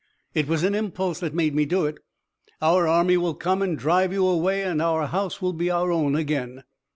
"It was an impulse that made me do it. Our army will come and drive you away, and our house will be our own again."